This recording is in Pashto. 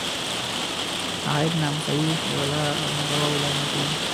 د عاید نامساوي ویش د غلا او نارواوو لامل کیږي.